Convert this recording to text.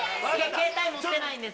携帯持ってないんです。